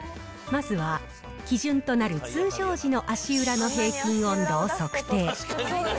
まずは基準となる通常時の足裏の平均温度を測定。